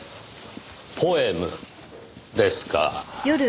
ポエムですか。